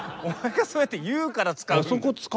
お前がそうやって言うから使うんだよ。